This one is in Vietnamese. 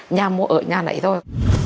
nhà mua ở nhà này thôi